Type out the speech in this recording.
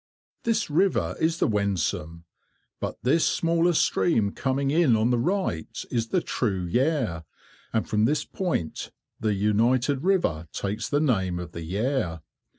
"This river is the Wensum, but this smaller stream coming in on the right is the true Yare, and from this point the united river takes the name of the Yare.